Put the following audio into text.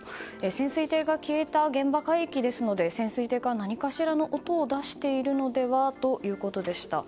潜水艇が消えた現場海域ですので潜水艇が何かしらの音を出しているのではということでした。